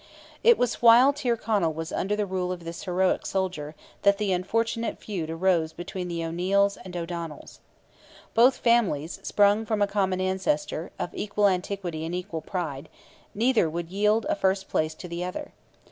It was while Tyrconnell was under the rule of this heroic soldier that the unfortunate feud arose between the O'Neils and O'Donnells. Both families, sprung from a common ancestor, of equal antiquity and equal pride, neither would yield a first place to the other.